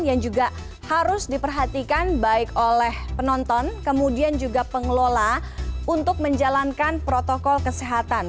yang juga harus diperhatikan baik oleh penonton kemudian juga pengelola untuk menjalankan protokol kesehatan